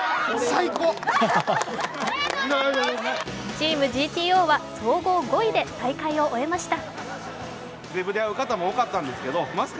チームＧＴＯは総合５位で大会を終えました。